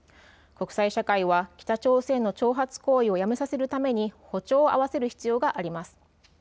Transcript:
国際社会は北朝鮮の挑発行為をやめさせるために歩調を合わせる必要があります。